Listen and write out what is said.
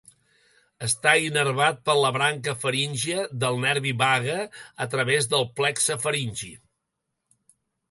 Està innervat per la branca faríngia del nervi vague a través del plexe faringi.